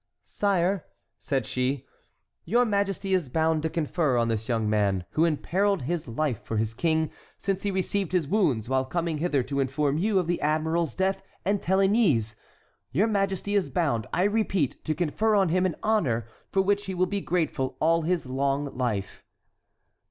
"Sire," said she, "your majesty is bound to confer on this young man, who imperilled his life for his king, since he received his wounds while coming hither to inform you of the admiral's death and Téligny's,—your majesty is bound, I repeat, to confer on him an honor for which he will be grateful all his life long."